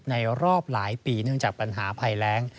รอบหลายปีเนื่องจากปัญหาภัยแรง